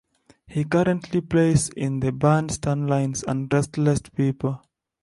He currently plays in the bands Tanlines and Restless People.